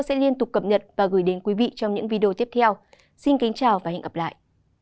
xin kính chào và hẹn gặp lại